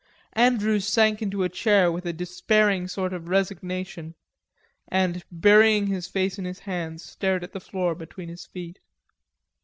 Andrews sank into a chair with a despairing sort of resignation, and burying his face in his hands stared at the floor between his feet.